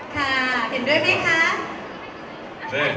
ค่ะเห็นด้วยไหมคะ